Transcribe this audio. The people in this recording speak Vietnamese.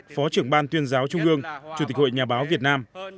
phó trưởng ban tuyên giáo trung ương chủ tịch hội nhà báo việt nam